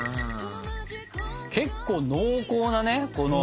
結構濃厚なねこの。